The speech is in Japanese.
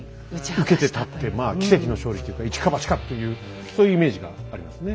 受けて立ってまあ奇跡の勝利というか一か八かっていうそういうイメージがありますね。